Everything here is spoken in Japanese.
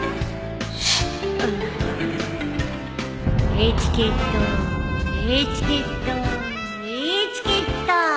エチケットエチケットエチケット！